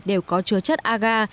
đều có chứa chất agar